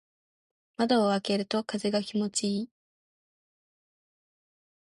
窓を開けると風が気持ちいい。